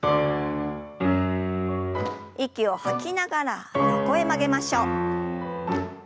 息を吐きながら横へ曲げましょう。